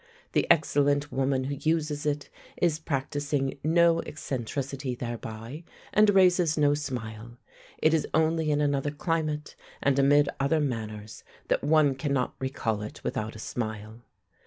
The excellent woman who uses it is practising no eccentricity thereby, and raises no smile. It is only in another climate, and amid other manners, that one cannot recall it without a smile.